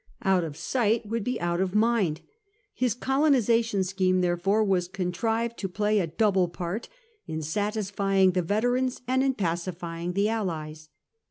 Out of sight would be out of mind. His colonisation scheme, therefore, was contrived to play a double part, in satisfying the veterans and in pacifying the allies.